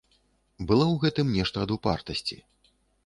Было ў гэтым нешта ад упартасці.